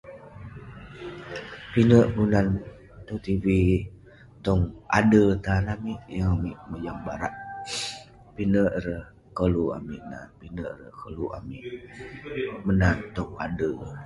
Pinek kelunan tong tv tong ader tan amik. Yeng amik mojam barak, pinek ireh koluk amik nat. Pinek ireh koluk amik menat tong ader.